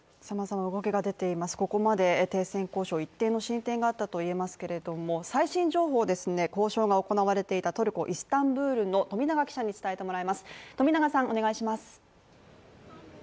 さまざま動きが出ています、ここまで停戦交渉、一定の進展があったと言えますけれども、最新情報を、交渉が行われていたトルコ・イスタンブールの富永記者に伝えてもらいます。